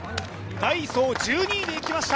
ダイソー、１２位でいきました。